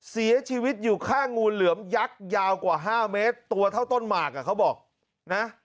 เสียชีวิตอยู่ข้างงูเหลือมยักษ์ยาวกว่า๕เมตรตัวเท่าต้นหมากอ่ะเขาบอกนะ